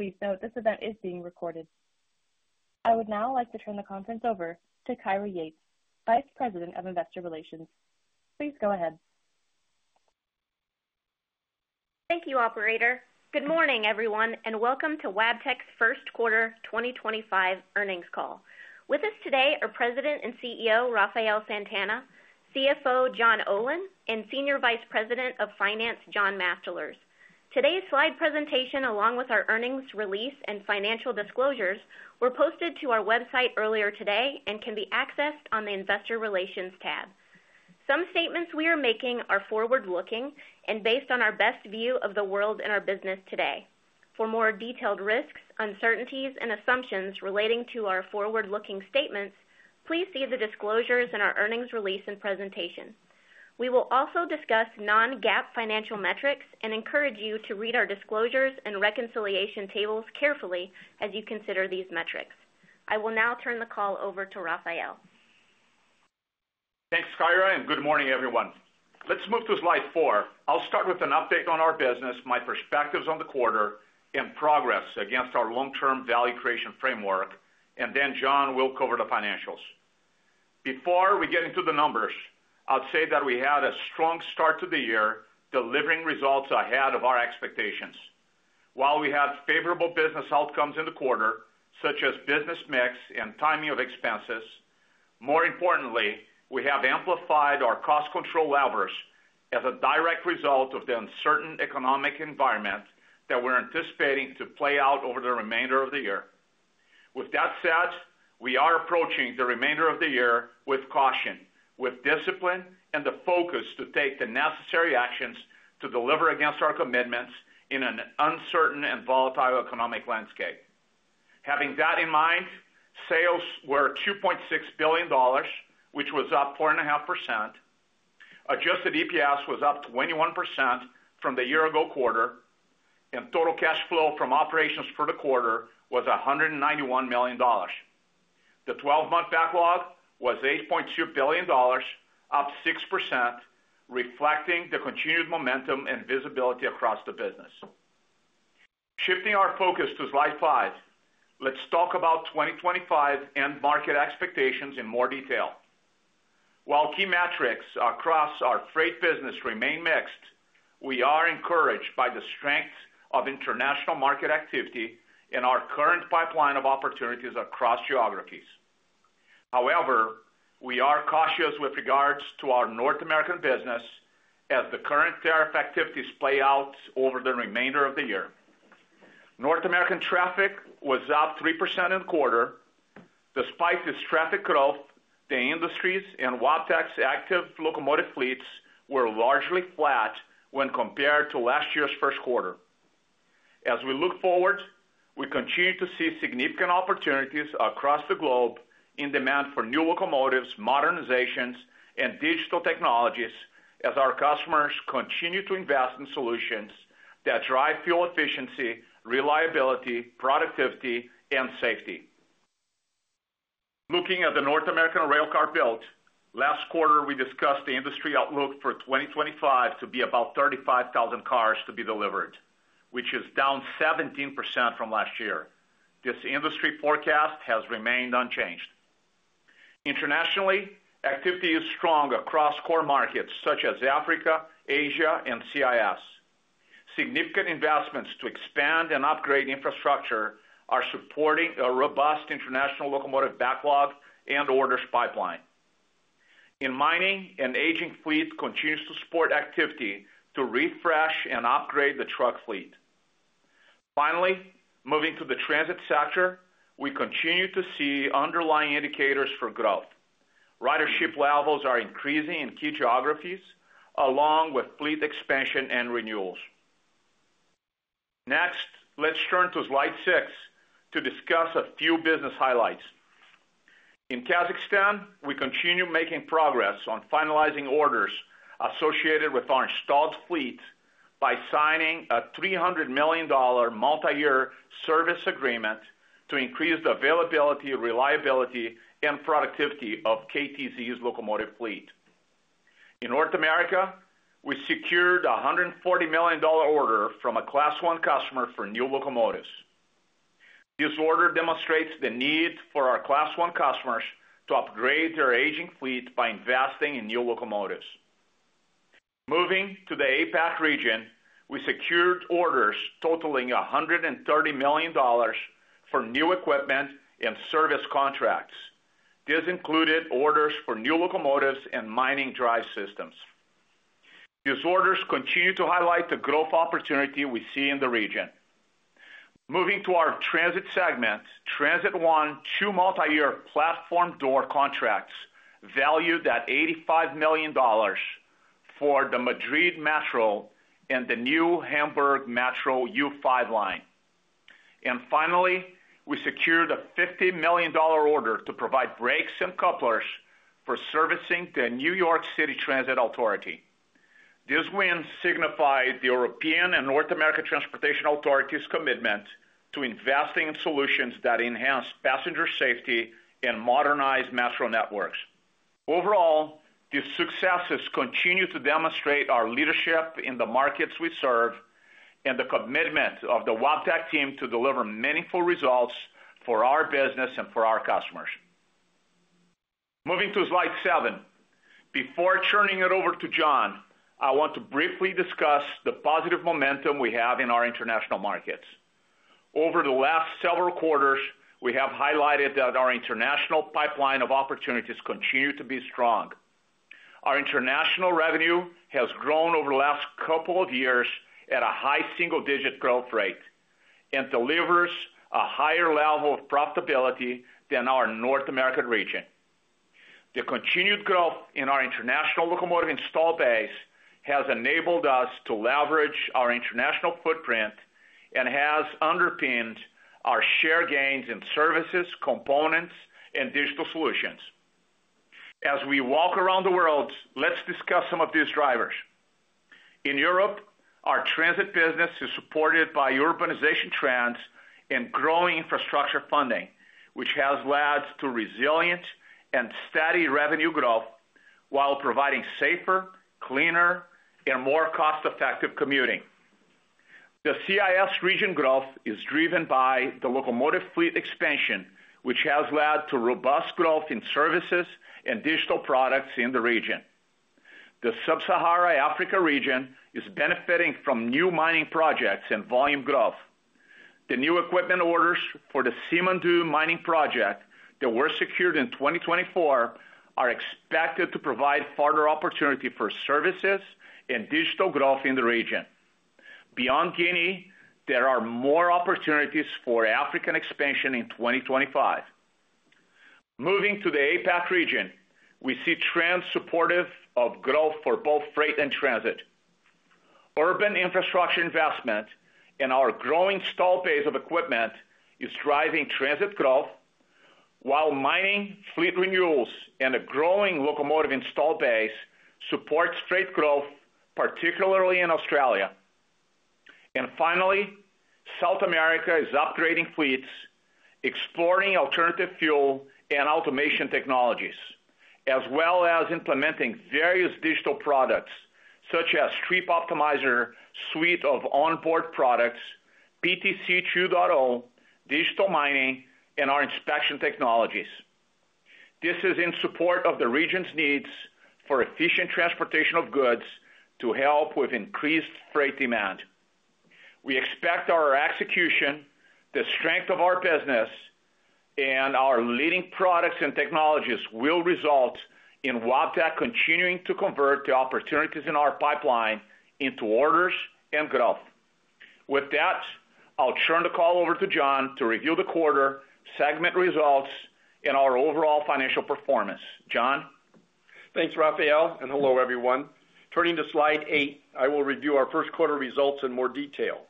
Please note this event is being recorded. I would now like to turn the conference over to Kyra Yates, Vice President of Investor Relations. Please go ahead. Thank you operator. Good morning everyone and welcome to Wabtec's first quarter 2025 earnings call. With us today are President and CEO Rafael Santana, CFO John Olin and Senior Vice President of Finance John Mastelers. Today's slide presentation along with our earnings release and financial disclosures were posted to our website earlier today and can be accessed on the Investor Relations tab. Some statements we are making are forward looking and based on our best view of the world in our business today. For more detailed risks, uncertainties and assumptions relating to our forward looking statements, please see the disclosures in our earnings release and presentation. We will also discuss non-GAAP financial metrics and encourage you to read our disclosures and reconciliation tables carefully as you consider these metrics. I will now turn the call over to Rafael. Thanks Kyra and good morning everyone. Let's move to slide 4. I'll start with an update on our business, my perspectives on the quarter and progress against our long term value creation framework and then John will cover the financials before we get into the numbers. I'd say that we had a strong start to the year, delivering results ahead of our expectations. While we had favorable business outcomes in the quarter such as business mix and timing of expenses. More importantly, we have amplified our cost control levers as a direct result of the uncertain economic environment that we're anticipating to play out over the remainder of the year. With that said, we are approaching the remainder of the year with caution, with discipline and the focus to take the necessary actions to deliver against our commitments in an uncertain and volatile economic landscape. Having that in mind, sales were $2.6 billion which was up 4.5%. Adjusted EPS was up 21% from the year ago quarter and total cash flow from operations for the quarter was $191 million. The 12 month backlog was $8.2 billion, up 6% reflecting the continued momentum and visibility across the business. Shifting our focus to slide 5, let's talk about 2025 end market expectations in more detail. While key metrics across our freight business remain mixed, we are encouraged by the strength of international market activity in our current pipeline of opportunities across geographies. However, we are cautious with regards to our North American business as the current tariff activities play out over the remainder of the year. North American traffic was up 3% in the quarter. Despite this traffic growth, the industries and Wabtec's active locomotive fleets were largely flat when compared to last year's first quarter. As we look forward, we continue to see significant opportunities across the globe in demand for new locomotives, modernizations and digital technologies as our customers continue to invest in solutions that drive fuel efficiency, reliability, productivity and safety. Looking at the North American railcar build last quarter, we discussed the industry outlook for 2025 to be about 35,000 cars to be delivered, which is down 17% from last year. This industry forecast has remained unchanged. Internationally, activity is strong across core markets such as Africa, Asia and CIS. Significant investments to expand and upgrade infrastructure are supporting a robust international locomotive backlog and orders pipeline. In mining, an aging fleet continues to support activity to refresh and upgrade the truck fleet. Finally, moving to the transit sector, we continue to see underlying indicators for growth. Ridership levels are increasing in key geographies along with fleet expansion and renewals. Next, let's turn to slide 6 to discuss a few business highlights. In Kazakhstan, we continue making progress on finalizing orders associated with our installed fleet by signing a $300 million multi-year service agreement to increase the availability, reliability, and productivity of KTZ's locomotive fleet. In North America, we secured a $140 million order from a Class 1 customer for new locomotives. This order demonstrates the need for our Class 1 customers to upgrade their aging fleet by investing in new locomotives. Moving to the APAC region, we secured orders totaling $130 million for new equipment and service contracts. This included orders for new locomotives and mining drive systems. These orders continue to highlight the growth opportunity we see in the region. Moving to our Transit segment, Transit secured 12 multi-year platform door contracts valued at $85 million for the Madrid Metro and the new Hamburg Metro U5 line. Finally, we secured a $50 million order to provide brakes and couplers for servicing the New York City Transit Authority. This win signified the European and North American transportation authorities' commitment to investing in solutions that enhance passenger safety and modernize metro networks. Overall, these successes continue to demonstrate our leadership in the markets we serve and the commitment of the Wabtec team to deliver meaningful results for our business and for our customers. Moving to slide 7, before turning it over to John, I want to briefly discuss the positive momentum we have in our international markets. Over the last several quarters, we have highlighted that our international pipeline of opportunities continues to be strong. Our international revenue has grown over the last couple of years at a high single digit growth rate and delivers a higher level of profitability than our North American region. The continued growth in our international locomotive installed base has enabled us to leverage our international footprint and has underpinned our share gains in services, components and digital solutions as we walk around the world. Let's discuss some of these drivers. In Europe, our transit business is supported by urbanization trends and growing infrastructure funding which has led to resilient and steady revenue growth while providing safer, cleaner and more cost effective commuting. The CIS region growth is driven by the locomotive fleet expansion which has led to robust growth in services and digital products in the region. The Sub-Saharan Africa region is benefiting from new mining projects and volume growth. The new equipment orders for the Simandou mining project that were secured in 2024 are expected to provide further opportunity for services and digital growth in the region. Beyond Guinea, there are more opportunities for African expansion in 2025. Moving to the APAC region, we see trends supportive of growth for both freight and transit. Urban infrastructure investment in our growing installed base of equipment is driving transit growth while mining fleet renewals and a growing locomotive installed base support freight growth particularly in Australia. Finally, South America is upgrading fleets, exploring alternative fuel and automation technologies, as well as implementing various digital products such as Trip Optimizer, suite of onboard products, PTC 2.0, Digital Mining, and our inspection technologies. This is in support of the region's needs for efficient transportation of goods to help with increased freight demand. We expect our execution, the strength of our business, and our leading products and technologies will result in Wabtec continuing to convert the opportunities in our pipeline into orders and growth. With that, I'll turn the call over to John to review the quarter segment results and our overall financial performance. John, thanks Rafael, and hello everyone. Turning to Slide 8, I will review our first quarter results in more detail.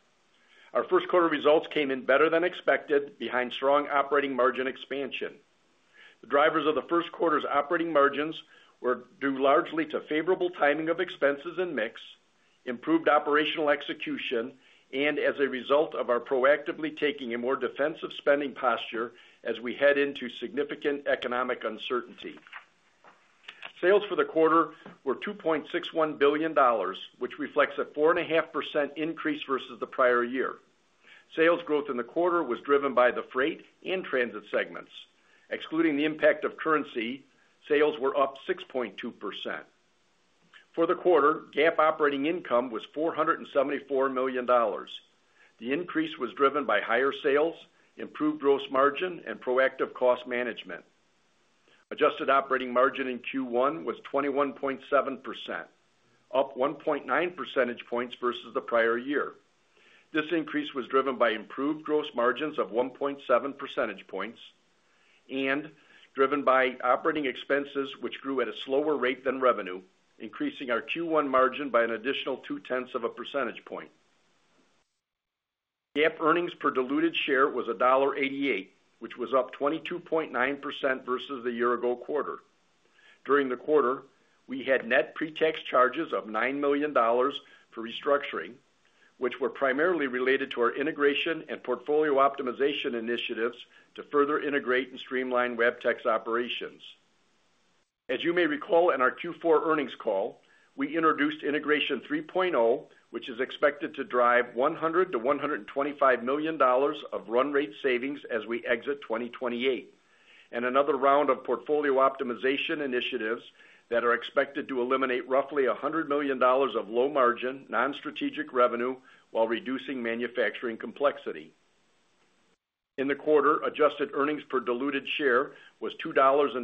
Our first quarter results came in better than expected behind strong operating margin expansion. The drivers of the first quarter's operating margins were due largely to favorable timing of expenses and mix, improved operational execution, and as a result of our proactively taking a more defensive spending posture as we head into significant economic uncertainty. Sales for the quarter were $2.61 billion, which reflects a 4.5% increase versus the prior year. Sales growth in the quarter was driven by the freight and transit segments. Excluding the impact of currency, sales were up 6.2% for the quarter. GAAP operating income was $474 million. The increase was driven by higher sales, improved gross margin, and proactive cost management. Adjusted operating margin in Q1 was 21.7%, up 1.9 percentage points versus the prior year. This increase was driven by improved gross margins of 1.7 percentage points and driven by operating expenses which grew at a slower rate than revenue, increasing our Q1 margin by an additional 0.2 of a percentage point. GAAP earnings per diluted share was $1.88 which was up 22.9% versus the year ago quarter. During the quarter we had net pre tax charges of $9 million for restructuring which were primarily related to our integration and portfolio optimization initiatives. To further integrate and streamline Wabtec's operations, as you may recall in our Q4 earnings call we introduced Integration 3.0 which is expected to drive $100-$125 million of run rate savings as we exit 2028 and another round of portfolio optimization initiatives that are expected to eliminate roughly $100 million of low margin non-strategic revenue while reducing manufacturing complexity. In the quarter, adjusted earnings per diluted share was $2.28,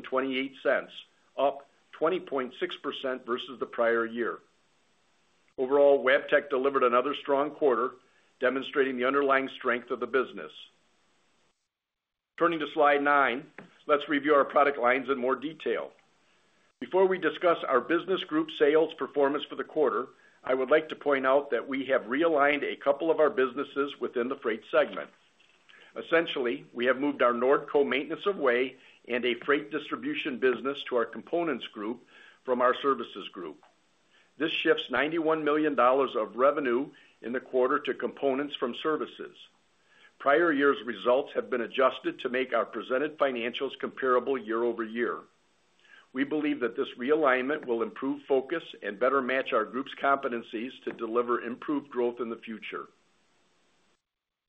up 20.6% versus the prior year. Overall, Wabtec delivered another strong quarter demonstrating the underlying strength of the business. Turning to slide 9, let's review our product lines in more detail before we discuss our business group sales performance for the quarter. I would like to point out that we have realigned a couple of our businesses within the freight segment. Essentially, we have moved our Nordco Maintenance of Way and a freight distribution business to our components group from our Services group. This shifts $91 million of revenue in the quarter to components from services. Prior year's results have been adjusted to make our presented financials comparable year over year. We believe that this realignment will improve focus and better match our group's competencies to deliver improved growth.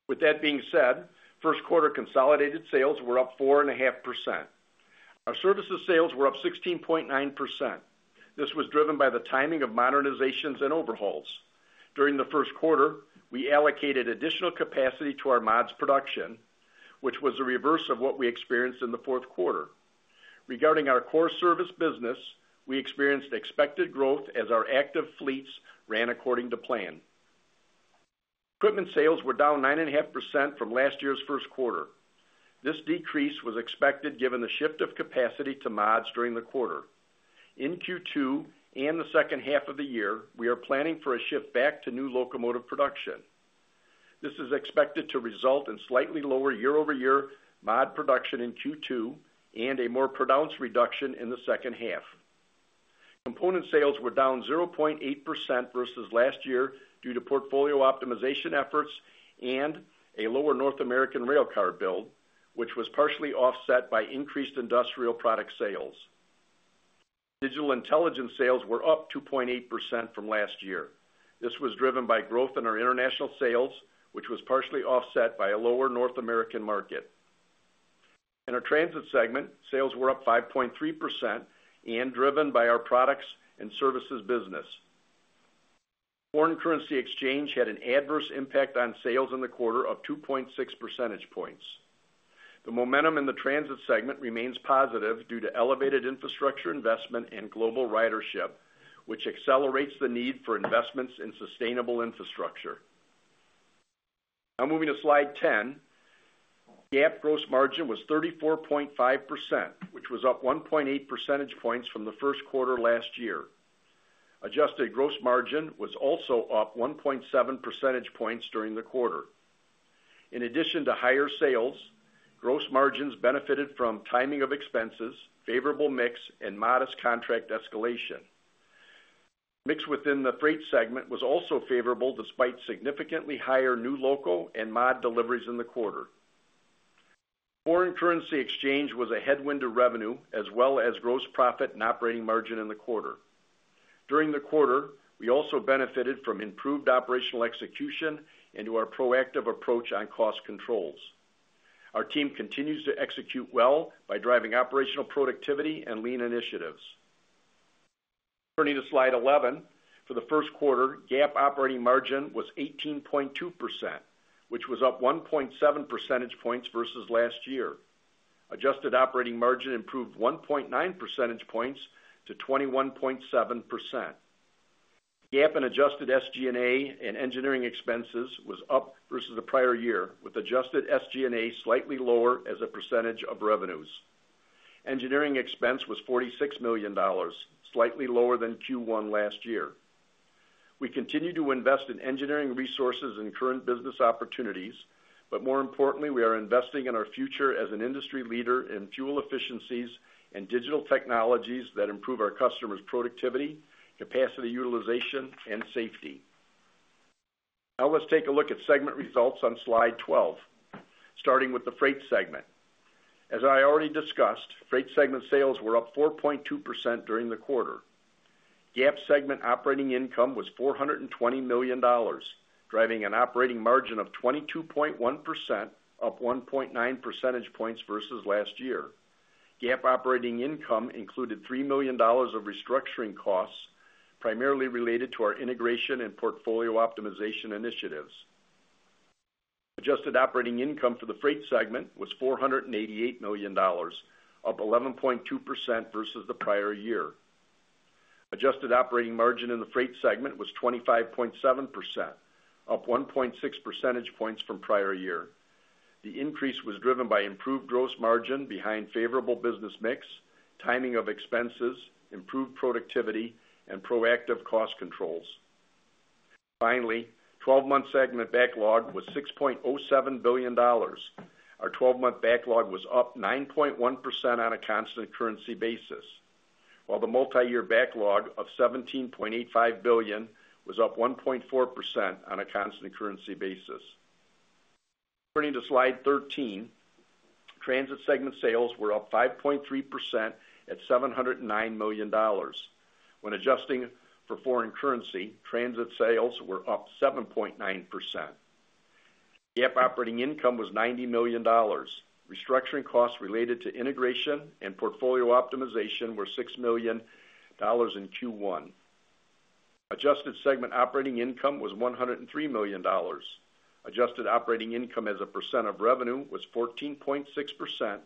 With that being said, first quarter consolidated sales were up 4.5%. Our services sales were up 16.9%. This was driven by the timing of modernizations and overhauls. During the first quarter we allocated additional capacity to our mods production which was the reverse of what we experienced in the fourth quarter. Regarding our core service business, we experienced expected growth as our active fleets range ran according to plan. Equipment sales were down 9.5% from last year's first quarter. This decrease was expected given the shift of capacity to mods during the quarter. In Q2 and the second half of the year, we are planning for a shift back to new locomotive production. This is expected to result in slightly lower year-over-year mod production in Q2 and a more pronounced reduction in the second half. Component sales were down 0.8% versus last year due to portfolio optimization efforts and a lower North American railcar build, which was partially offset by increased industrial product sales. Digital Intelligence sales were up 2.8% from last year. This was driven by growth in our international sales, which was partially offset by a lower North American market. In our transit segment, sales were up 5.3% and driven by our products and services business. Foreign currency exchange had an adverse impact on sales in the quarter of 2.6 percentage points. The momentum in the transit segment remains positive due to elevated infrastructure investment and global ridership which accelerates the need for investments in sustainable infrastructure. Now moving to slide 10, GAAP gross margin was 34.5% which was up 1.8 percentage points from the first quarter last year. Adjusted gross margin was also up 1.7 percentage points during the quarter. In addition to higher sales, gross margins benefited from timing of expenses, favorable mix and modest contract escalation. Mix within the freight segment was also favorable despite significantly higher new loco and mod deliveries in the quarter. Foreign currency exchange was a headwind to revenue as well as gross profit and operating margin in the quarter during the quarter. We also benefited from improved operational execution into our proactive approach on cost controls. Our team continues to execute well by driving operational productivity and lean initiatives. Turning to Slide 11 for the first quarter, GAAP operating margin was 18.2% which was up 1.7 percentage points versus last year. Adjusted operating margin improved 1.9 percentage points to 21.7%. Gap in adjusted SG&A and engineering expenses was up versus the prior year with adjusted SG&A slightly lower as a percentage of revenues. Engineering expense was $46 million, slightly lower than Q1 last year. We continue to invest in engineering resources and current business opportunities, but more importantly we are investing in our future as an industry leader in fuel efficiencies and digital technologies that improve our customers' productivity, capacity, utilization and safety. Now let's take a look at segment results on Slide 12 starting with the freight segment. As I already discussed, freight segment sales were up 4.2% during the quarter. GAAP segment operating income was $420 million driving an operating margin of 22.1%, up 1.9 percentage points versus last year. GAAP operating income included $3 million of restructuring costs primarily related to our integration and portfolio optimization initiatives. Adjusted operating income for the Freight segment was $488 million, up 11.2% versus the prior year. Adjusted operating margin in the Freight segment was 25.7%, up 1.6 percentage points from prior year. The increase was driven by improved gross margin behind favorable business mix, timing of expenses, improved productivity and proactive cost controls. Finally, 12 month segment backlog was $6.07 billion. Our 12 month backlog was up 9.1% on a constant currency basis while the multi year backlog of $17.85 billion was up 1.4% on a constant currency basis. Turning to slide 13, Transit segment sales were up 5.3% at $709 million. When adjusting for foreign currency, Transit sales were up 7.9%. GAAP operating income was $90 million. Restructuring costs related to integration and portfolio optimization were $6 million. In Q1 adjusted segment operating income was $103 million. Adjusted operating income as a percent of revenue was 14.6%,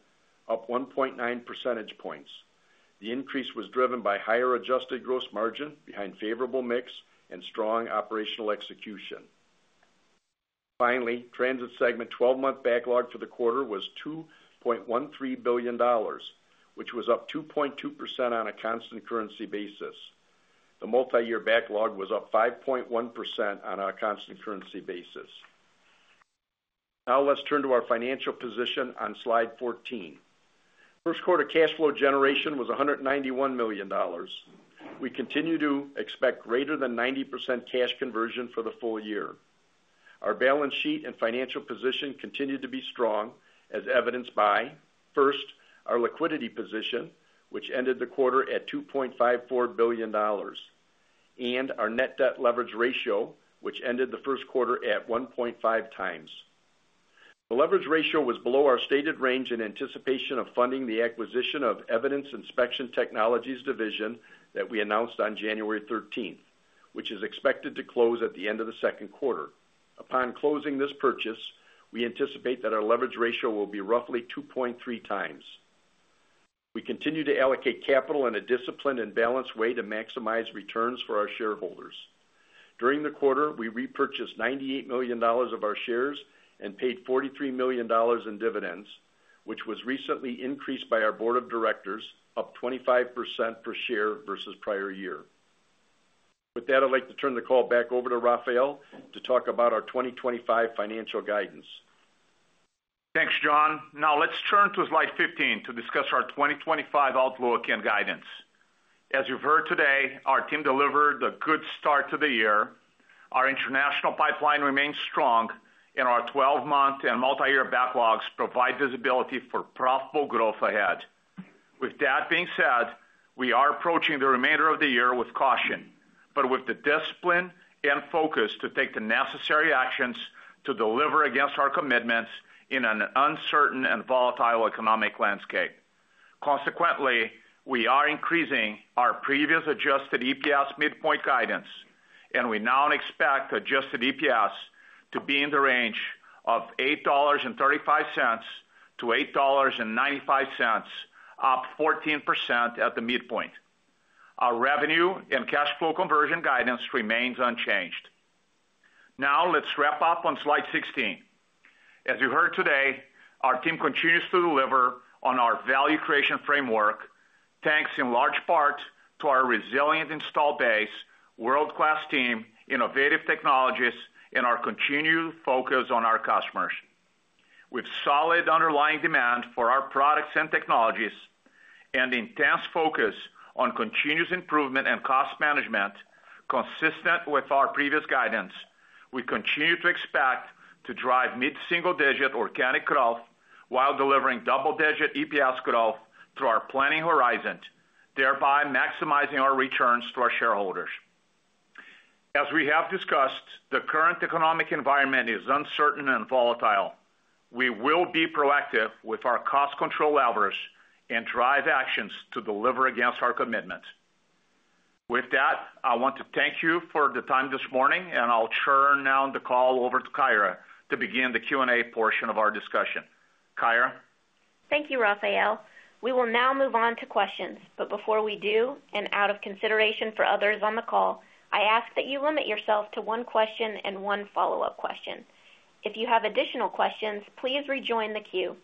up 1.9 percentage points. The increase was driven by higher adjusted gross margin behind favorable mix and strong operational execution. Finally, transit segment 12 month backlog for the quarter was $2.13 billion which was up 2.2% on a constant currency basis. The multi year backlog was up 5.1% on a constant currency basis. Now let's turn to our financial position on slide 14. First quarter cash flow generation was $191 million. We continue to expect greater than 90% cash conversion for the full year. Our balance sheet and financial position continue to be strong as evidenced by first our liquidity position which ended the quarter at $2.54 billion, and our net debt leverage ratio which ended the first quarter at 1.5 times. The leverage ratio was below our stated range. In anticipation of funding the acquisition of Evident Inspection Technologies Division that we announced on January 13, which is expected to close at the end of the second quarter. Upon closing this purchase, we anticipate that our leverage ratio will be roughly 2.3 times. We continue to allocate capital in a disciplined and balanced way to maximize returns for our shareholders. During the quarter, we repurchased $98 million of our shares and paid $43 million in dividends which was recently increased by our board of directors, up 25% per share versus prior year. With that, I'd like to turn the call back over to Rafael to talk about our 2025 financial guidance. Thanks, John. Now let's turn to slide 15 to discuss our 2025 outlook and guidance. As you've heard today, our team delivered a good start to the year. Our international pipeline remains strong and our 12 month and multi year backlogs provide visibility for profitable growth ahead. With that being said, we are approaching the remainder of the year with caution, but with the discipline and focus to take the necessary actions to deliver against our commitments in an uncertain and volatile economic landscape. Consequently, we are increasing our previous adjusted EPS midpoint guidance and we now expect adjusted EPS to be in the range of $8.35-$8.95, up 14% at the midpoint. Our revenue and cash flow conversion guidance remains unchanged. Now let's wrap up on slide 16. As you heard today, our team continues to deliver on our value creation framework thanks in large part to our resilient installed base, world-class team, innovative technologies, and our continued focus on our customers. With solid underlying demand for our products and technologies and intense focus on continuous improvement and cost management, consistent with our previous guidance, we continue to expect to drive mid single-digit organic growth while delivering double-digit EPS growth through our planning horizon, thereby maximizing our returns to our shareholders. As we have discussed, the current economic environment is uncertain and volatile. We will be proactive with our cost control levers and drive actions to deliver against our commitment. With that, I want to thank you for the time this morning and I'll turn now the call over to Kyra to begin the Q and A portion of our discussion. Kyra, thank you, Rafael. We will now move on to questions. Out of consideration for others on the call, I ask that you limit yourself to one question and one follow-up question. If you have additional questions, please rejoin the queue.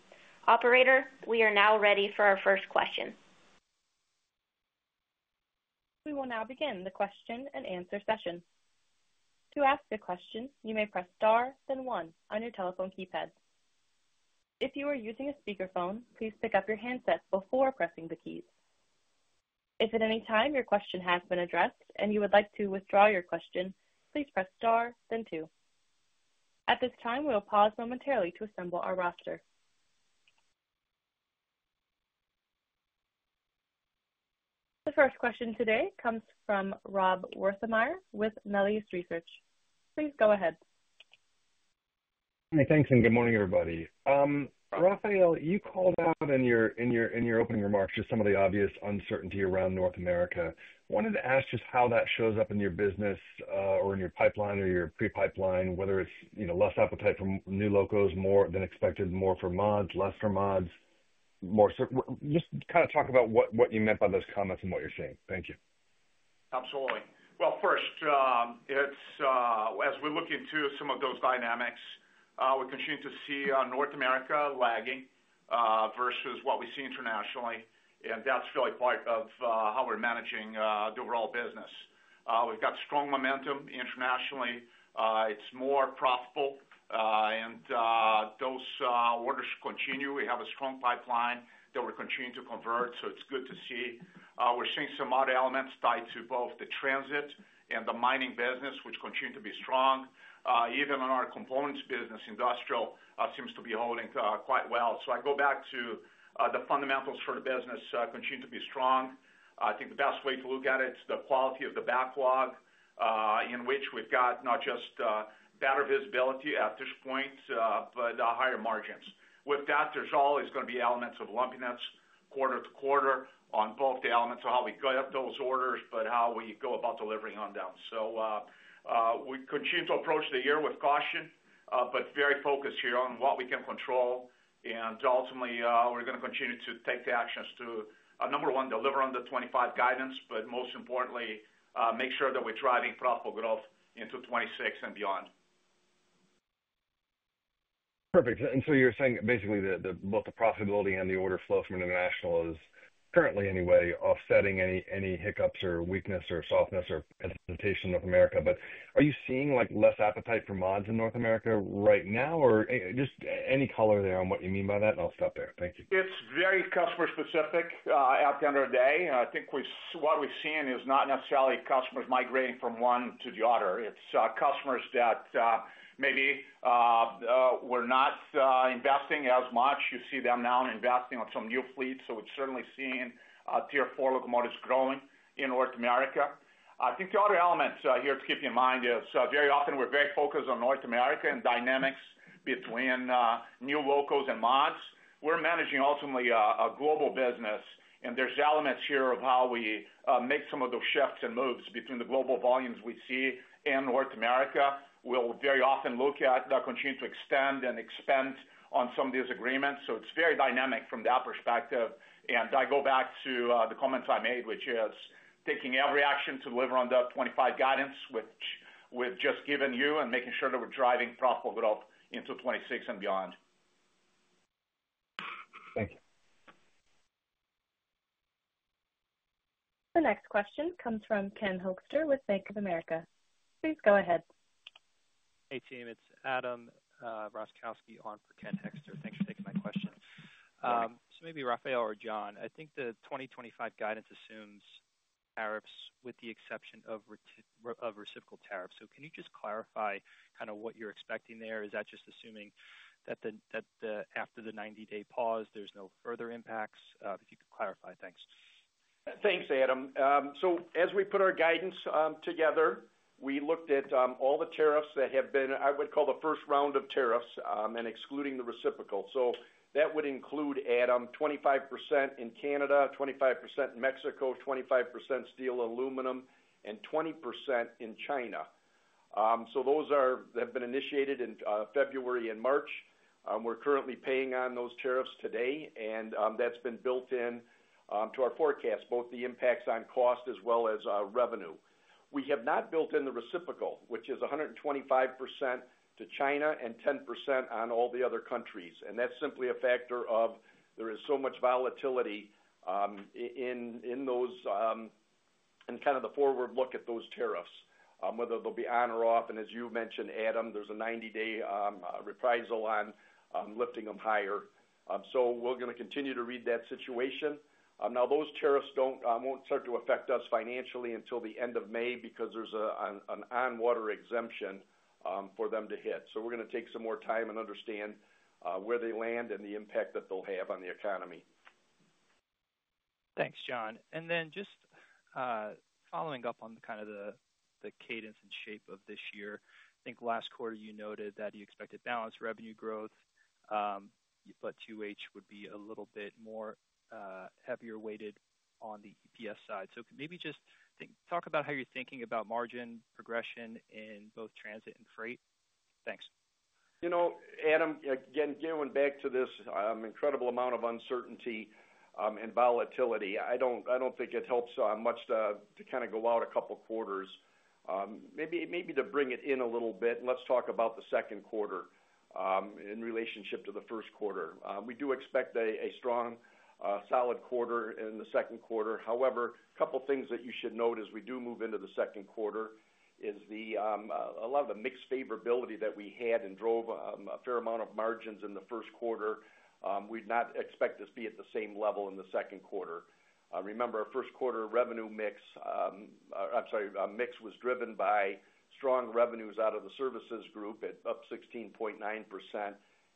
Operator, we are now ready for our first question. We will now begin the question and answer session. To ask a question, you may press star then one on your telephone keypad. If you are using a speakerphone, please pick up your handset before pressing the keys. If at any time your question has been addressed and you would like to withdraw your question, please press star then two. At this time, we will pause momentarily to assemble our roster. The first question today comes from Rob Wertheimer with Melius Research. Please go ahead. Thanks and good morning everybody. Rafael, you called out in your opening remarks just some of the obvious uncertainty around North America. Wanted to ask just how that shows up in your business or in your pipeline or your pre pipeline. Whether it's less appetite for new locos more than expected, more for mods, less for mods, just kind of talk about what you meant by those comments and what you're seeing. Thank you. Absolutely. First, as we look into some of those dynamics, we continue to see North America lagging versus what we see internationally, and that's really part of how we're managing the overall business. We've got strong momentum internationally, it's more profitable, and those orders continue. We have a strong pipeline that we're continuing to convert. It's good to see we're seeing some other elements tied to both the transit and the mining business, which continue to be strong even on our components. Business industrial seems to be holding quite well. I go back to the fundamentals, for the business continue to be strong. I think the best way to look at it is the quality of the backlog in which we've got not just better visibility at this point but higher margins. With that, there's always going to be elements of lumpiness quarter to quarter on both the elements of how we get those orders but how we go about delivering on them. We continue to approach the year with caution but very focused here on what we can control. Ultimately, we're going to continue to take the actions to, number one, deliver on the 2025 guidance but, most importantly, make sure that we're driving profitable growth into 2026 and beyond. Perfect. You're saying basically that both the profitability and the order flow from international is currently anyway offsetting any hiccups or weakness or softness oration of America. Are you seeing like less appetite for mods in North America right now or just any color there on what you mean by that? I'll stop there, thank you. It's very customer specific. At the end of the day I think what we've seen is not necessarily customers migrating from one to the other. It's customers that maybe were not investing as much. You see them now investing on some new fleets. We're certainly seeing Tier 4 locomotives growing in North America. I think the other element here to keep in mind is very often we're very focused on North America and dynamics between new locos and mods. We're managing ultimately a global business and there's elements here of how we make some of those shifts and moves between the global volumes we see in North America. We very often look at that, continue to extend and expand on some of these agreements. It's very dynamic from that perspective. I go back to the comments I made which is taking every action to deliver on the 2025 guidance which we've just given you and making sure that we're driving profitable growth into 2026 and beyond. Thank you. The next question comes from Ken Hoexter with Bank of America. Please go ahead. Hey team, it's Adam Roszkowski on for Ken Hoexter. Thanks for taking my question. Maybe Rafael or John, I think the 2025 guidance assumes tariffs with the exception of reciprocal tariffs. Can you just clarify kind of what you're expecting there, is that just. Assuming that after the 90 day. Pause. There's no further impacts. If you could clarify. Thanks. Thanks, Adam. As we put our guidance together, we looked at all the tariffs that have been, I would call, the first round of tariffs and excluding the reciprocal. That would include, Adam, 25% in Canada, 25% in Mexico, 25% steel, aluminum, and 20% in China. Those have been initiated in February and March. We're currently paying on those tariffs today and that's been built into our forecast, both the impacts on cost as well as revenue. We have not built in the reciprocal, which is 125% to China and 10% on all the other countries. That's simply a factor of there is so much volatility in those and kind of the forward look at those tariffs, whether they'll be on or off. As you mentioned, Adam, there's a 90 day reprisal on lifting them higher. We're going to continue to read that situation. Now those tariffs will not start to affect us financially until the end of May because there is an on water exemption for them to hit. We're going to take some more time and understand where they land and the impact that they will have on the economy. Thanks, John. Just following up on kind. Of the cadence and shape of this year, I think last quarter you noted that you expected balanced revenue growth, but. 2H would be a little bit more. Heavier weighted on the EPS side. Maybe just talk about how you're thinking about margin progression in both transit and freight. Thanks. You know Adam, again going back to this incredible amount of uncertainty and volatility, I don't think it helps much to kind of go out a couple quarters maybe to bring it in a little bit. Let's talk about the second quarter in relationship to the first quarter. We do expect a strong solid quarter in the second quarter. However, a couple things that you should note as we do move into the second quarter is a lot of the mixed favorability that we had and drove a fair amount of margins in the first quarter, we'd not expect this to be at the same level in the second quarter. Remember, our first quarter revenue mix. I'm sorry, mix was driven by strong revenues out of the services group at up 16.9%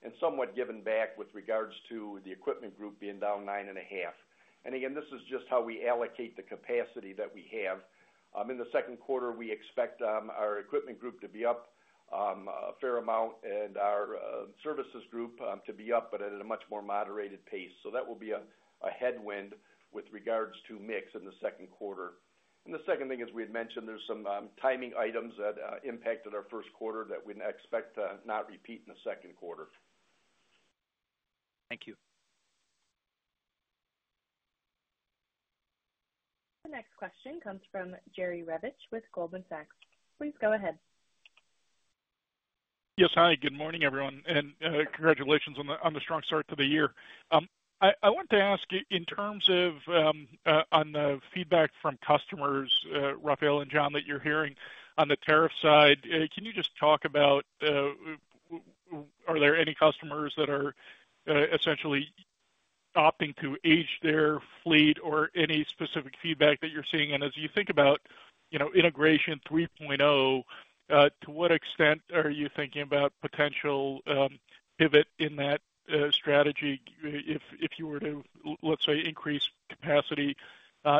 and somewhat given back with regards to the equipment group being down 9.5%. This is just how we allocate the capacity that we have in the second quarter. We expect our equipment group to be up a fair amount and our services group to be up, but at a much more moderated pace. That will be a headwind with regards to mix in the second quarter. The second thing is we had mentioned there are some timing items that impacted our first quarter that we expect to not repeat in the second quarter. Thank you. The next question comes from Jerry Revich with Goldman Sachs. Please go ahead. Yes, hi. Good morning everyone and congratulations on the. Strong start to the year. I want to ask in terms of on the feedback from customers, Rafael and. John, that you're hearing on the tariff. Side, can you just talk about. Are. there any customers that are essentially opting to age their fleet or any specific feedback that you're seeing? As you think about, you know. Integration 3.0, to what extent are you thinking about potential pivot in that strategy if you were to, let's say, increase capacity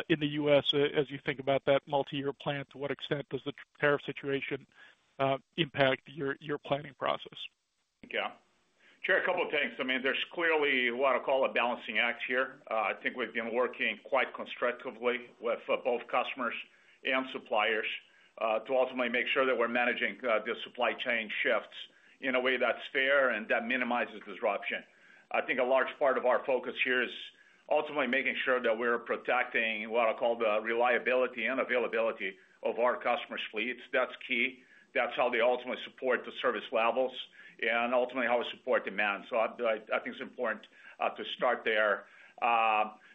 in the U.S. as you think about that multi year plan, to what extent does the tariff situation impact your planning process? Yeah, sure, a couple of things. I mean, there's clearly what I call a balancing act here. I think we've been working quite constructively with both customers and suppliers to ultimately make sure that we're managing the supply chain shifts in a way that's fair and that minimizes disruption. I think a large part of our focus here is ultimately making sure that we're protecting what I call the reliability and availability of our customers' fleets. That's key. That's how they ultimately support the service levels and ultimately how we support demand. I think it's important to start there.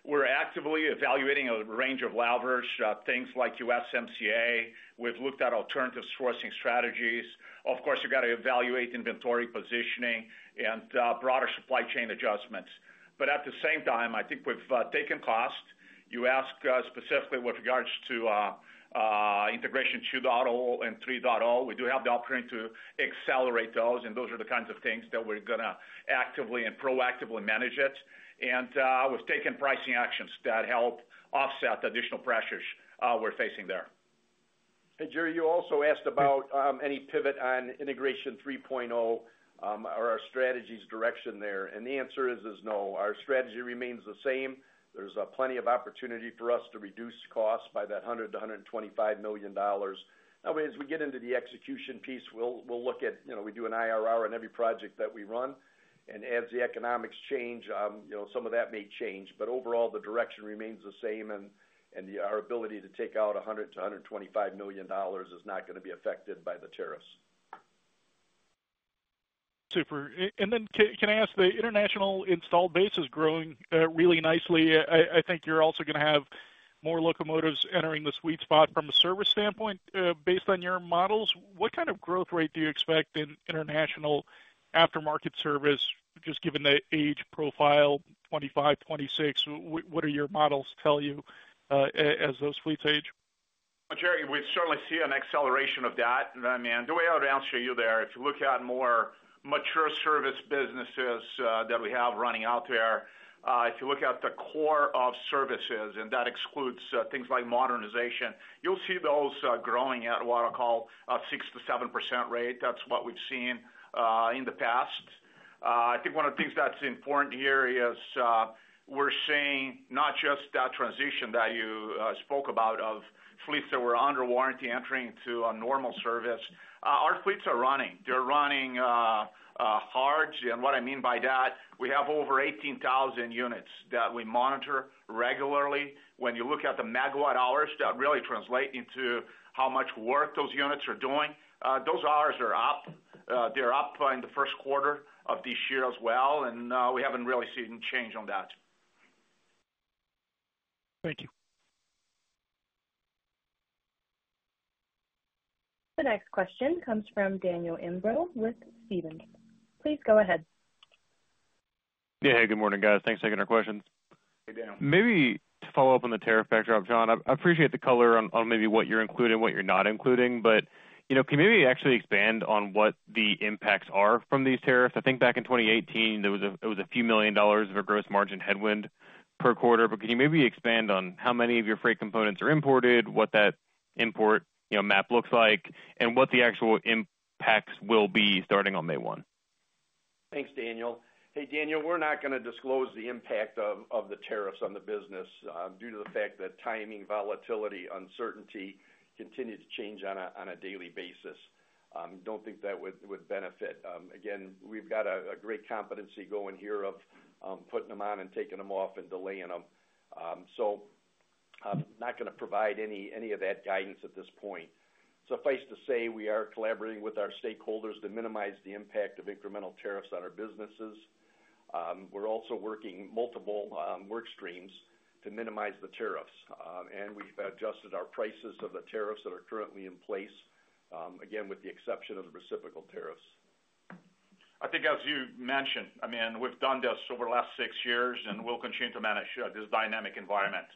We're actively evaluating a range of levers, things like USMCA. We've looked at alternative sourcing strategies. Of course, you've got to evaluate inventory positioning and broader supply chain adjustments. At the same time, I think we've taken cost, you ask, specifically with regards to Integration 2.0 and 3.0. We do have the opportunity to accelerate those and those are the kinds of things that we're going to actively and proactively manage. We have taken pricing actions that help offset additional pressures we're facing there. Hey, Jerry, you also asked about any pivot on Integration 3.0 or our strategy's direction there. The answer is no. Our strategy remains the same. There's plenty of opportunity for us to reduce costs by that $100 million to $125 million. As we get into the execution piece, we'll look at, you know, we do an IRR on every project that we run. As the economics change, some of that may change. Overall the direction remains the same and our ability to take out $100 million to $125 million is not going to be affected by the tariffs. Super. Can I ask, the international. Installed base is growing really nicely. I think you're also going to have. More locomotives entering the sweet spot. From a service standpoint, based on your. Models, what kind of growth rate do? You expect in international aftermarket service? Just given the age profile, 25, 26. What do your models tell you as those fleets age. Jerry, We certainly see an acceleration of that. The way I would answer you there, if you look at more mature service businesses that we have running out there, if you look at the core of services, and that excludes things like modernization, you'll see those growing at what I would call a 6-7% rate. That's what we've seen in the past. I think one of the things that's important here is we're seeing not just that transition that you spoke about of fleets that were under warranty entering to a normal service. Our fleets are running, they're running hard. And what I mean by that, we have over 18,000 units that we monitor regularly. When you look at the megawatt hours that really translate into how much work those units are doing, those hours are up. They're up in the first quarter of this year as well. We haven't really seen change on that. Thank you. The next question comes from Daniel Imbro with Stephens. Please go ahead. Yeah. Hey, good morning, guys. Thanks for taking our questions. Maybe to follow up on the tariff backdrop, John, I appreciate the color on maybe what you're including, what you're not including, but can you maybe actually expand on what the impacts are from these tariffs? I think back in 2018 it was a few million dollars of a gross. Margin headwind per quarter, but can you? Maybe expand on how many of your freight components are imported, what that import map looks like, and what the actual impacts will be starting on May 1? Thanks, Daniel. Hey, Daniel. We're not going to disclose the impact of the tariffs on the business due to the fact that timing, volatility, uncertainty continue to change on a daily basis. Don't think that would benefit. Again, we've got a great competency going here of putting them on and taking them off and delaying them. Not going to provide any of that guidance at this point. Suffice to say we are collaborating with our stakeholders to minimize the impact of incremental tariffs on our businesses. We're also working multiple work streams to minimize the tariffs and we've adjusted our prices of the tariffs that are currently in place. Again with the exception of the reciprocal tariffs. I think, as you mentioned, I mean, we've done this over the last six years and we'll continue to manage this dynamic environment.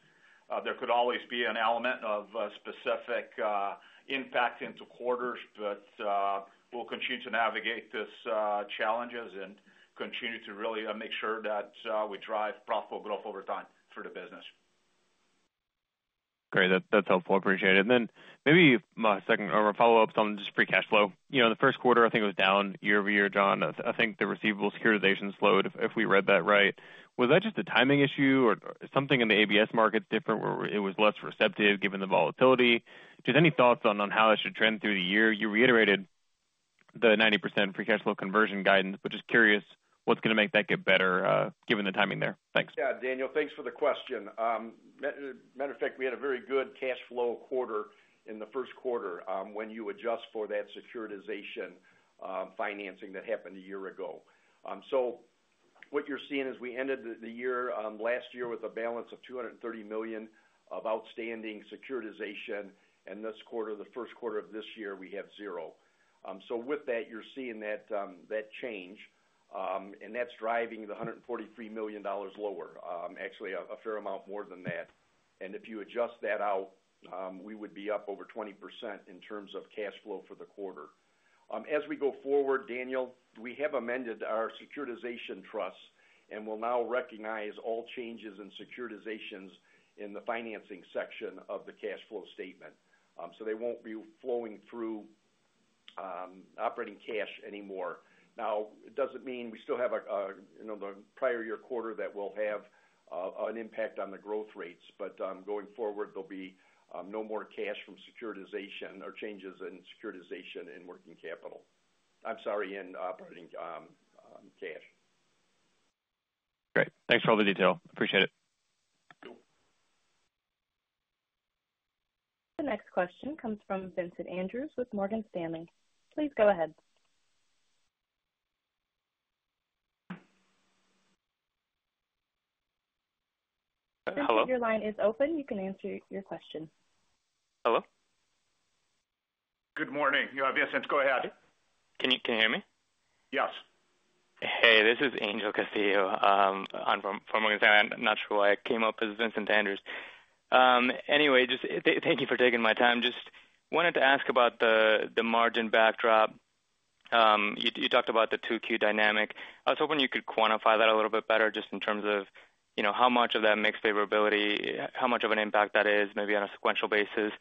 There could always be an element of specific impact into quarters, but we'll continue to navigate these challenges and continue to really make sure that we drive profitable growth over time for the business. Great. That's helpful. Appreciate it. Maybe second or follow up on just free cash flow. You know, the first quarter, I think it was down year over year. John, I think the receivable securitization slowed. If we read that right, was that just a timing issue or something in? The ABS market different where it was less receptive given the volatility. Just any thoughts on how it should trend through the year? You reiterated the 90% free cash flow conversion guidance, but just curious what's going to make that get better given the timing there. Yeah. Daniel, thanks for the question. Matter of fact, we had a very good cash flow quarter in the first quarter. When you adjust for that securitization financing that happened a year ago. What you're seeing is we ended the year last year with a balance of $230 million of outstanding securitization. This quarter, the first quarter of this year, we have zero. With that you're seeing that change and that's driving the $143 million lower. Actually a fair amount more than that. If you adjust that out, we would be up over 20% in terms of cash flow for the quarter as we go forward. Daniel, we have amended our securitization trust and will now recognize all changes and securitizations in the financing section of the cash flow statement. They won't be flowing through operating cash anymore. Now, it doesn't mean we still have the prior year quarter that will have an impact on the growth rates. Going forward, there'll be no more cash from securitization or changes in securitization in working capital, sorry, in operating cash. Great. Thanks for all the detail. Appreciate it. The next question comes from Vincent Andrews with Morgan Stanley. Please go ahead. Hello? If your line is open, you can ask your question. Hello? Good morning. You have Vincent. Go ahead. Can you hear me? Yes. Hey, this is Angel Castillo for Morgan Stanley. I'm not sure why I came up as Vincent Andrews. Anyway, just thank you for taking my time. Just wanted to ask about the margin backdrop. You talked about the 2Q dynamic. I was hoping you could quantify that a little bit better just in terms of how much of that mix favorability, how much of an impact that is, maybe on a sequential basis.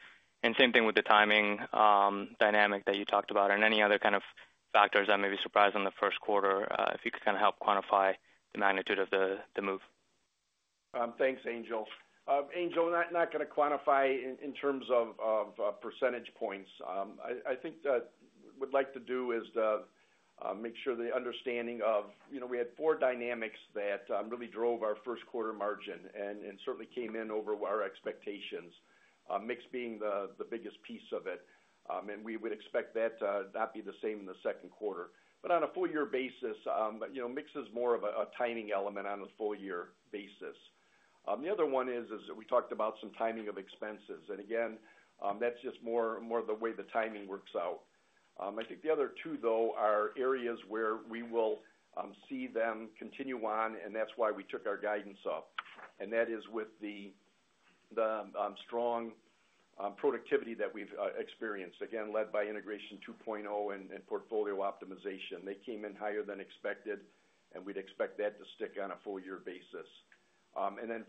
Same thing with the timing dynamic that you talked about and any other kind of factors that may be surprised in the first quarter if you could kind of help quantify the magnitude of the move. Thanks, Angel. Not going to quantify in terms of percentage points. I think what we'd like to do is make sure the understanding of, you know, we had four dynamics that really drove our first quarter margin and certainly came in over our expectations. Mix being the biggest piece of it. We would expect that not be the same in the second quarter. On a full year basis, mix is more of a timing element on a full year basis. The other one is we talked about some timing of expenses and again, that's just more the way the timing works out. I think the other two, though, are areas where we will see them continue on. That is why we took our guidance off. That is with the strong productivity that we've experienced, again, led by Integration 2.0 and portfolio optimization, they came in higher than expected and we'd expect that to stick on a full year basis.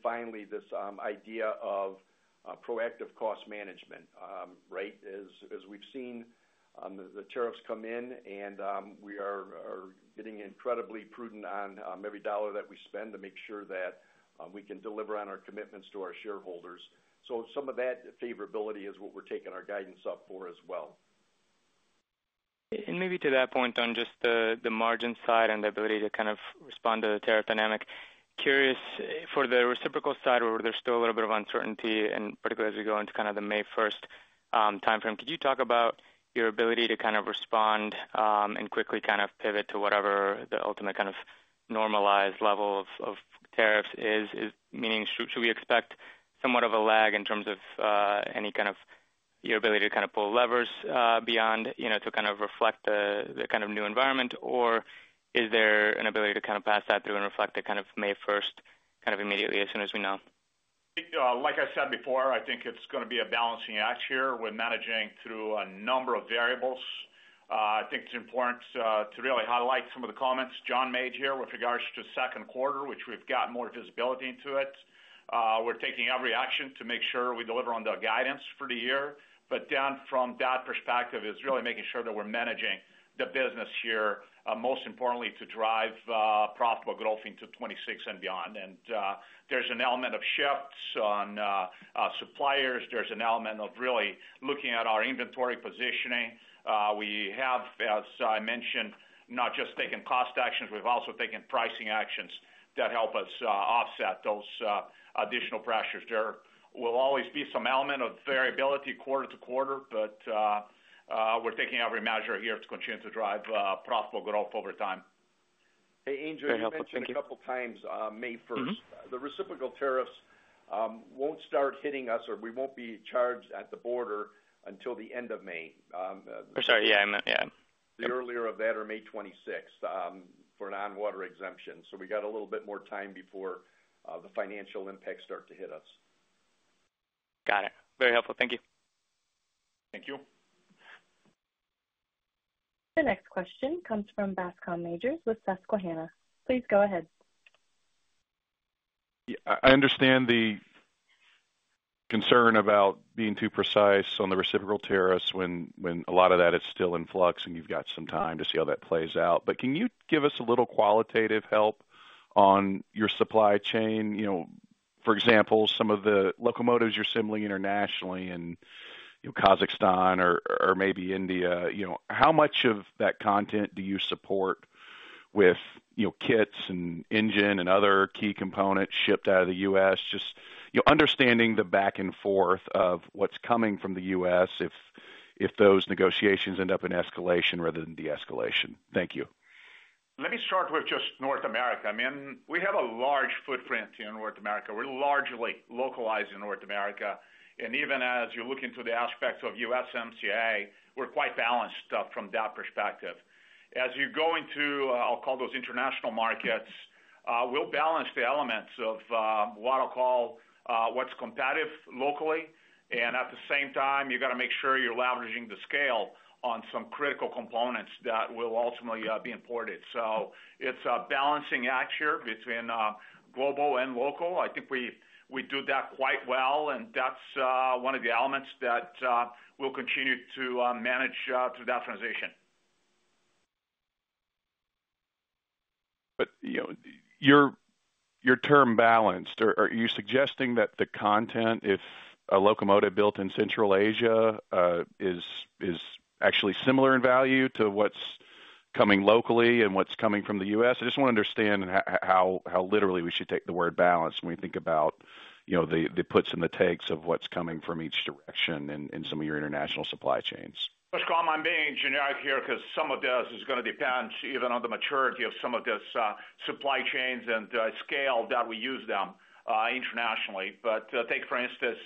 Finally, this idea of proactive cost management. Right. As we've seen the tariffs come in, we are getting incredibly prudent on every dollar that we spend to make sure that we can deliver on our commitments to our shareholders. Some of that favorability is what we're taking our guidance up for as well. Maybe to that point, on just the margin side and the ability to kind of respond to the tariff dynamic. Curious for the reciprocal side where there's. Still a little bit of uncertainty. Particularly as we go into kind of the May 1 time frame, could you talk about your ability to kind of respond and quickly kind of pivot to whatever the ultimate kind of normalized level of tariffs is, meaning should we expect somewhat of a lag in terms of any kind of your ability to kind of pull levers beyond, you know, to kind of reflect the kind of new environment, or is there an ability to kind of pass that through and reflect it kind of May 1 immediately, as soon as we know. Like I said before, I think it's going to be a balancing act here. We're managing through a number of variables. I think it's important to really highlight some of the comments John made here with regards to second quarter, which we've got more visibility into it. We're taking every action to make sure we deliver on the guidance for the year. From that perspective, it's really making sure that we're managing the business here, most importantly to drive profitable growth into 2026 and beyond. There's an element of shifts on suppliers. There's an element of really looking at our inventory positioning. We have, as I mentioned, not just taken cost actions, we've also taken pricing actions that help us offset those additional pressures. There will always be some element of variability quarter to quarter. We're taking every measure here to continue to drive profitable growth over time. Hey, Angel. A couple times May 1, the reciprocal tariffs will not start hitting us or we will not be charged at the border until the end of May. I'm sorry. Yeah, I meant. Yeah, the earlier of that or May 26 for non-water exemption. We got a little bit more time before the financial impacts start to hit us. Got it. Very helpful. Thank you. Thank you. The next question comes from Bascome Majors with Susquehanna. Please go ahead. I understand the concern about being too. Precise on the reciprocal tariffs when a. lot of that is still in flux. You have got some time to see. How that plays out. Can you give us a little. Qualitative help on your supply chain? For example, some of the locomotives you're. Assembling internationally in Kazakhstan or maybe India. How much of that content do you support with kits and engine and other key components shipped out of the U.S.? Just understanding the back and forth of. What's coming from the U.S. if those negotiations end up in escalation rather than de-escalation? Thank you. Let me start with just North America. We have a large footprint in North America. We're largely localized in North America. Even as you look into the aspects of USMCA, we're quite balanced from that perspective. As you go into, I'll call those international markets, we'll balance the elements of what I'll call what's competitive locally. At the same time, you've got to make sure you're leveraging the scale on some critical components that will ultimately be imported. It is a balancing act here between global and local. I think we do that quite well and that's one of the elements that we will continue to manage through that transition. By your term balanced, are you suggesting? That the content, if a locomotive built. In Central Asia is actually similar in. Value to what's coming locally and what's. Coming from the U.S., I just want to understand how literally we should take the word balance when we think about the puts and the takes of what's coming from each direction in some of. Your international supply chains. I'm being generic here because some of this is going to depend even on the maturity of some of these supply chains and scale that we use them internationally. For instance,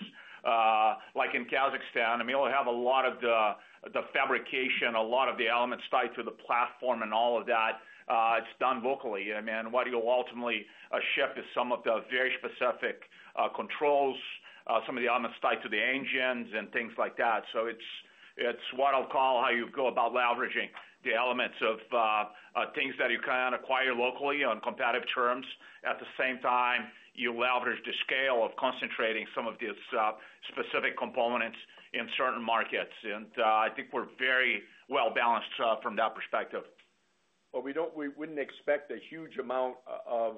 like in Kazakhstan. I mean, we have a lot of the fabrication, a lot of the elements tied to the platform and all of that is done locally. I mean, what you ultimately shift is some of the very specific controls, some of the elements tied to the engines and things like that. It is what I'll call how you go about leveraging the elements of things that you can acquire locally on competitive terms. At the same time, you leverage the scale of concentrating some of these specific components in certain markets. I think we're very well balanced from that perspective. We do not, we would not expect a huge amount of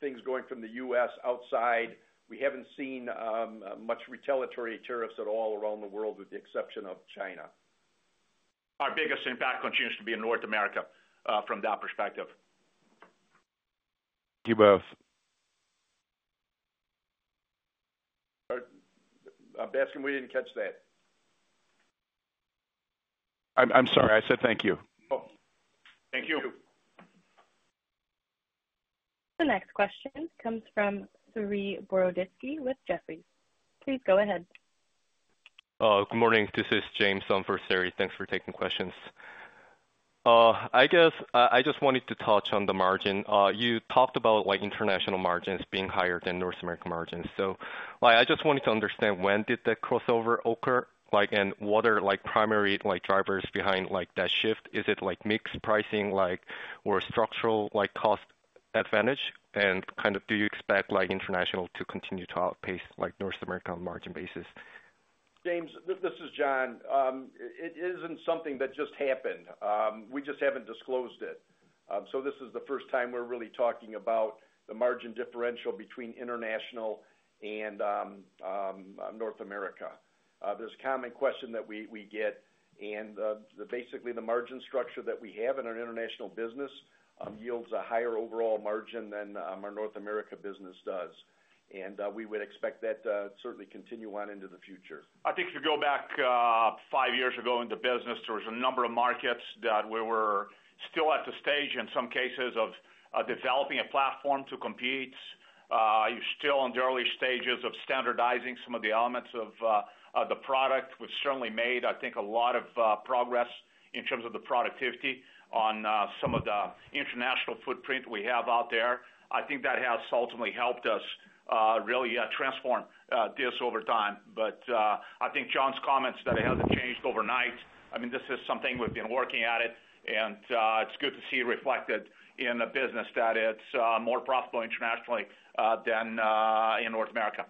things going from the U.S. outside. We have not seen much retaliatory tariffs at all around the world, with the exception of China. Our biggest impact continues to be in North America from that perspective. Thank you both. I'm asking. We didn't catch that. I'm sorry. Thank you. Thank you. The next question comes from Saree Boroditsky with Jefferies. Please go ahead. Good morning. This is James for Saree. Thanks for taking questions. I guess I just wanted to touch on the margin. You talked about international margins being higher than North American margins. I just wanted to understand when did the crossover occur and what are primary drivers behind that shift? Is it mix, pricing, or structural cost advantage? Do you expect international to continue to outpace North America on a margin basis? James, this is John. It isn't something that just happened. We just haven't disclosed it. This is the first time we're really talking about the margin differential between international and North America. There's a common question that we get. Basically, the margin structure that we have in our international business yields a higher overall margin than our North America business does. We would expect that certainly to continue on into the future. I think if you go back five years ago in the business, there was a number of markets that we were still at the stage, in some cases of developing a platform to compete. You're still in the early stages of standardizing some of the elements of the product. We've certainly made, I think, a lot of progress in terms of the productivity on some of the international footprint we have out there. I think that has ultimately helped us really transform this over time. I think John's comments that it hasn't changed overnight. I mean, this is something we've been working at it and it's good to see reflected in a business that it's more profitable internationally than in North America.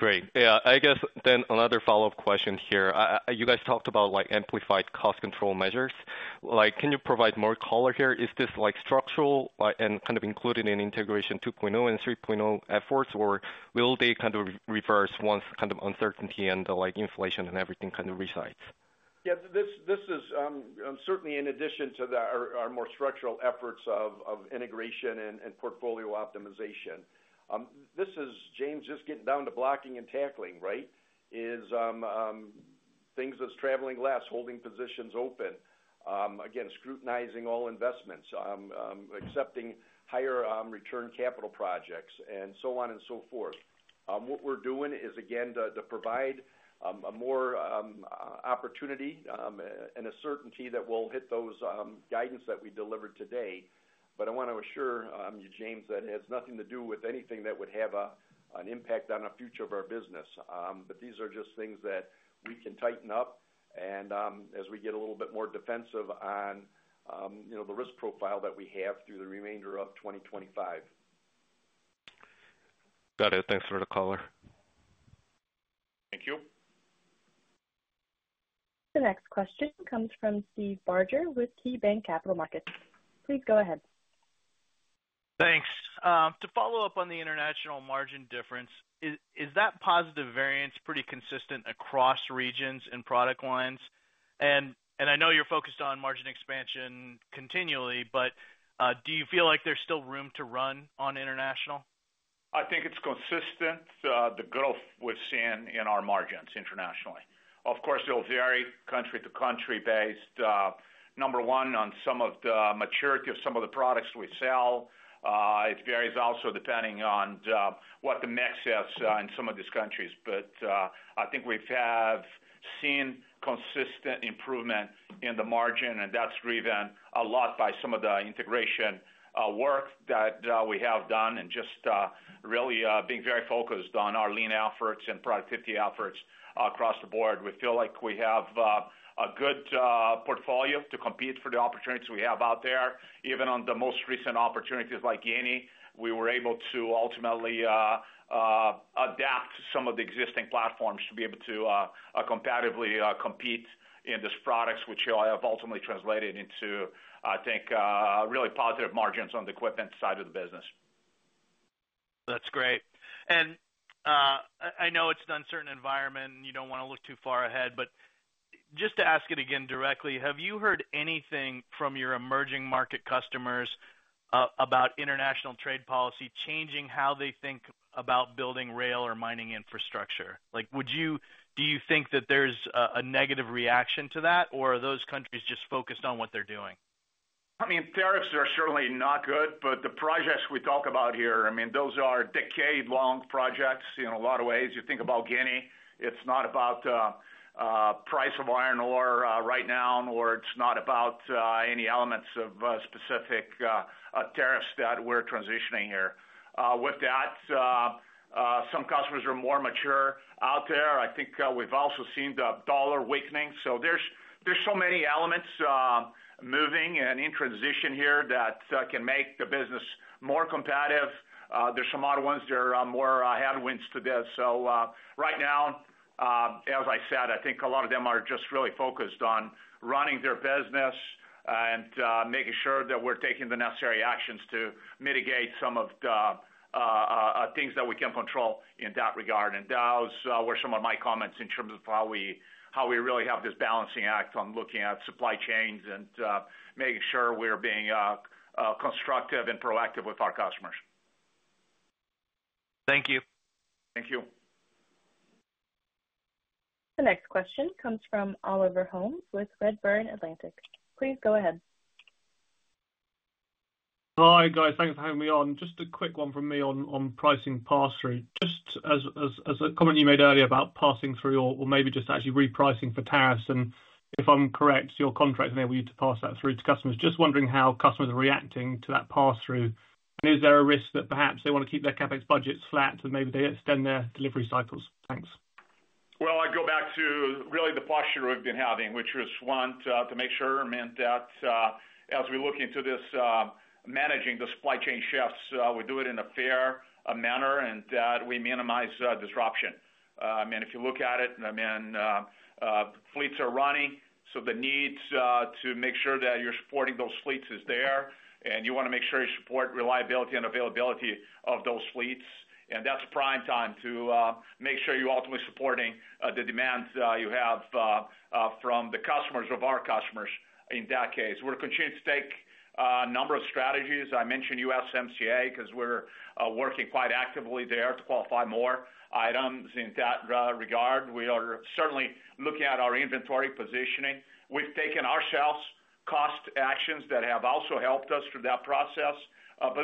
Great. I guess. Then another follow up question here. You guys talked about like amplified cost control measures, like can you provide more color here? Is this like structural and kind of included in integration 2.0 and 3.0 efforts or will they kind of reverse once kind of uncertainty and like inflation and everything kind of resides? Yeah, this is certainly in addition to our more structural efforts of integration and portfolio optimization. This is, James, just getting down to blocking and tackling. Right. Is things that's traveling less, holding positions open again, scrutinizing all investments, accepting higher return capital projects and so on and so forth. What we're doing is again to provide more opportunity and a certainty that we'll hit those guidance that we delivered today. I want to assure you, James, that it has nothing to do with anything that would have an impact on the future of our business. These are just things that we can tighten up as we get a little bit more defensive on the risk profile that we have through the remainder of 2025. Got it. Thanks for the caller. Thank you. The next question comes from Steve Barger with KeyBanc Capital Markets. Please go ahead. Thanks. To follow up on the international margin difference, is that positive variance pretty consistent? Across regions and product lines? I know you're focused on margin expansion continually, but do you feel like there's still room to run on international? I think it's consistent. The growth we've seen in our margins internationally, of course it will vary country to country based, number one, on some of the maturity of some of the products we sell. It varies also depending on what the mix is in some of these countries. I think we have seen consistent improvement in the margin and that's driven a lot by some of the integration work that we have done. Just really being very focused on our lean efforts and productivity efforts across the board. We feel like we have a good portfolio to compete for the opportunities we have out there. Even on the most recent opportunities, like Guinea, we were able to ultimately adapt some of the existing platforms to be able to competitively compete in these products, which have ultimately translated into I think really positive margins on the equipment side of the business. That's great. I know it's an uncertain environment and you don't want to look too. Far ahead, but just to ask it. Again, directly, have you heard anything from your emerging market customers about international trade policy changing how they think about building rail or mining infrastructure? Like, would you, do you think that? There's a negative reaction to that or are those countries just focused on what they're doing? I mean tariffs are certainly not good, but the projects we talk about here, I mean those are decade-long projects in a lot of ways. You think about Guinea, it's not about price of iron ore right now or it's not about any elements of specific tariffs that we're transitioning here with that. Some customers are more mature out there. I think we've also seen the dollar weakening. There are so many elements moving and in transition here that can make the business more competitive. There are some other ones. There are more headwinds to this. Right now, as I said, I think a lot of them are just really focused on running their business and making sure that we're taking the necessary actions to mitigate some of the things that we can control in that regard. Those were some of my comments in terms of how we really have this balancing act on looking at supply chains and making sure we're being constructive and proactive with our customers. Thank you. Thank you. The next question comes from Oliver Holmes with Redburn Atlantic. Please go ahead. Hi guys. Thanks for having me on. Just a quick one from me. Pricing pass through just as a comment. You made earlier about passing through or maybe just actually repricing for tariffs and if I'm correct, your contract enable you to pass that through to customers. Just wondering how customers are reacting to that pass through and is there a risk that perhaps they want to keep their CapEx budgets flat and maybe they extend their delivery cycles. Thanks. I go back to really the posture we've been having, which is one, to make sure that as we look into this, managing the supply chain shifts, we do it in a fair manner and that we minimize disruption. I mean if you look at it, fleets are running so the need to make sure that you're supporting those fleets is there and you want to make sure you support reliability and availability of those fleets. That's prime time to make sure you ultimately supporting the demand you have from the customers of our customers. In that case, we're continuing to take a number of strategies. I mentioned USMCA because we're working quite actively there to qualify more items in that regard. We are certainly looking at our inventory positioning. We've taken ourselves cost actions that have also helped us through that process.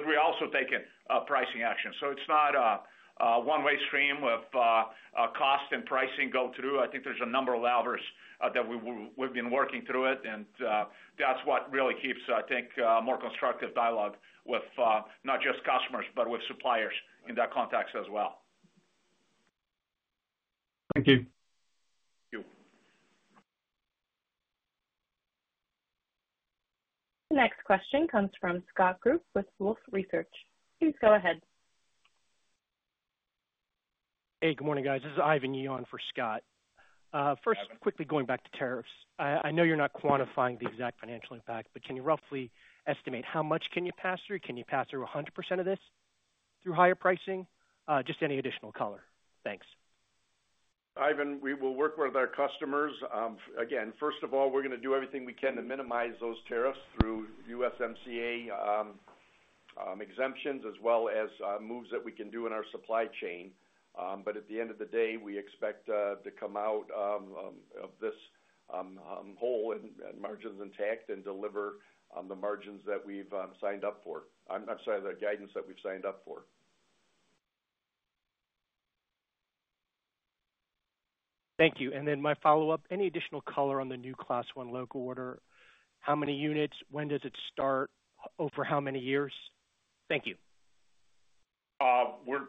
We also have taken pricing action. So it's not a one-way stream of cost and pricing going through. I think there's a number of levers that we've been working through, and that's what really keeps, I think, more constructive dialogue with not just customers but with suppliers in that context as well. Thank you. The next question comes from Scott Group with Wolfe Research. Please go ahead. Hey, good morning guys. This is Ivan Yi for Scott. First, quickly going back to tariffs, I know you're not quantifying the exact financial impact, but can you roughly estimate how much can you pass through? Can you pass through 100% of this through higher pricing? Just any additional color? Thanks. Ivan. We will work with our customers again. First of all, we're going to do everything we can to minimize those tariffs through USMCA exemptions as well as moves that we can do in our supply chain. At the end of the day, we expect to come out of this whole and margins intact and deliver the margins that we've signed up for. I'm sorry, the guidance that we've signed up for. Thank you. My follow up, any additional color on the new Class 1 loco order? How many units? When does it start? Over how many years? Thank you. We're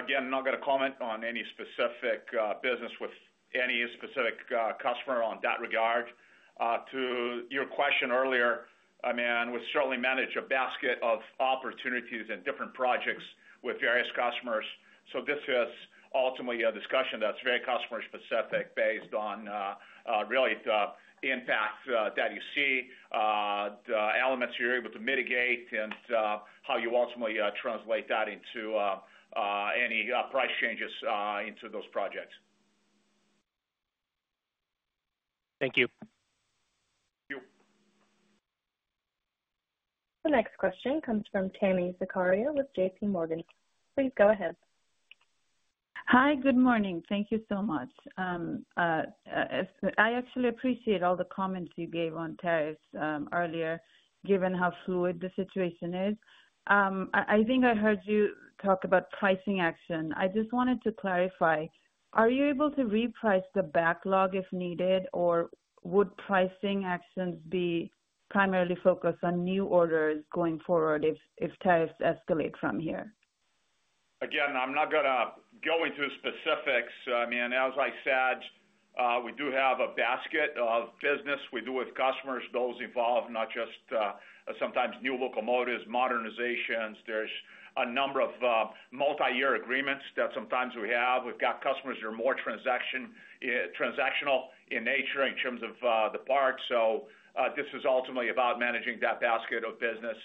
again not going to comment on any specific business with any specific customer. In that regard to your question earlier, we certainly manage a basket of opportunities and different projects with various customers. This is ultimately a discussion that's very customer specific based on really the impact that you see, the elements you're able to mitigate and how you ultimately translate that into any price changes into those projects. Thank you. The next question comes from Tami Zakaria with JPMorgan Chase & Co. Please go ahead. Hi, good morning. Thank you so much. I actually appreciate all the comments you gave on tariffs earlier given how fluid the situation is. I think I heard you talk about pricing action. I just wanted to clarify, are you able to reprice the backlog if needed or would pricing actions be primarily focused on new orders going forward if tariffs escalate from here? Again, I'm not going to go into specifics. I mean, as I said, we do have a basket of business we do with customers. Those involve not just sometimes new locomotives, modernizations, there's a number of multi-year agreements that sometimes we have, we've got customers that are more transactional in nature in terms of the parts. This is ultimately about managing that basket of business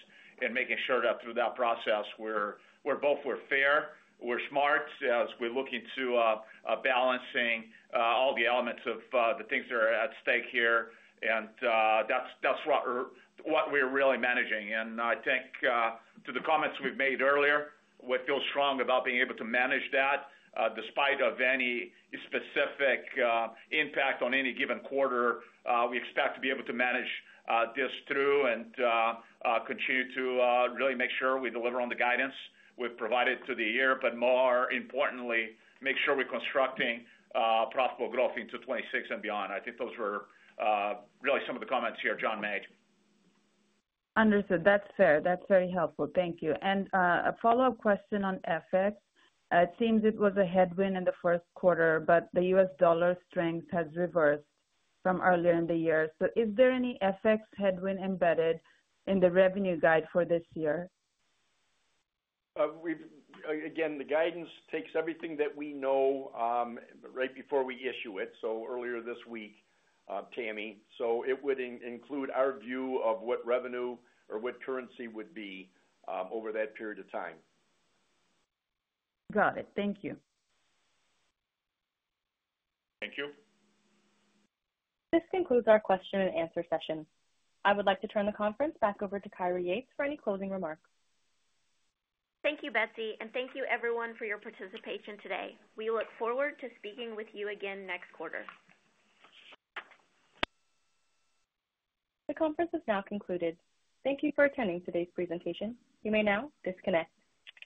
and making sure that through that process we're both fair, we're smart as we're looking to balancing all the elements of the things that are at stake here. That's what we're really managing. I think to the comments we've made earlier, we feel strong about being able to manage that despite any specific impact on any given quarter. We expect to be able to manage this through and continue to really make sure we deliver on the guidance we've provided to the year. More importantly, make sure we're constructing profitable growth into 2026 and beyond. I think those were really some of the comments here John made. Understood, that's fair. That's very helpful. Thank you. A follow up question on FX. It seems it was a headwind in the first quarter, but the U.S. dollar strength has reversed from earlier in the year. Is there any FX headwind embedded in the revenue guide for this year? Again, the guidance takes everything that we know right before we issue it. Earlier this week, Tammy. It would include our view of what revenue or what currency would be over that period of time. Got it. Thank you. Thank you. This concludes our question and answer session. I would like to turn the conference back over to Kyra Yates for any closing remarks. Thank you, Betsy. Thank you, everyone, for your participation today. We look forward to speaking with you again next quarter. The conference has now concluded. Thank you for attending today's presentation. You may now disconnect.